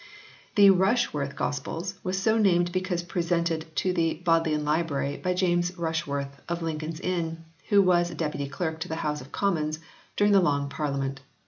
The Rushworth Gospels was so named because presented to the Bodleian Library by John Rushworth of Lincoln s Inn, who was deputy clerk to the House of Commons during the Long Parliament.